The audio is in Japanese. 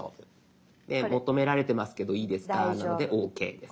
で「求められてますけどいいですか？」なので「ＯＫ」です。